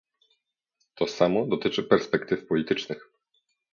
To samo dotyczy perspektyw politycznych